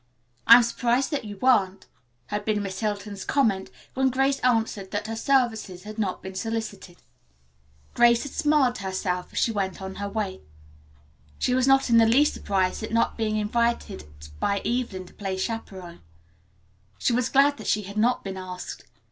"I am surprised that you weren't," had been Miss Hilton's comment when Grace answered that her services had not been solicited. Grace had smiled to herself as she went on her way. She was not in the least surprised at not being invited by Evelyn to play chaperon. She was glad that she had not been asked.